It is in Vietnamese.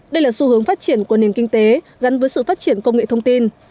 đây là xu hướng phát triển của nền kinh tế gắn với sự phát triển công nghệ thông tin